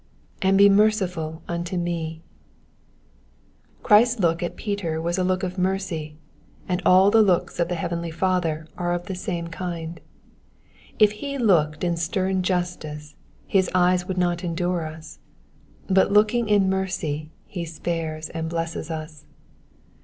''^And he merciful unto tw^." Christ's look at Peter was a look of mercy, and all the looks of the heavenly Father are of the same kind. If he looked in stern justice his eyes would not endure us, but looking in mercy he spares and blesses us.